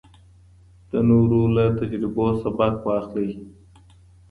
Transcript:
د نورو له تجربو سبق واخلئ.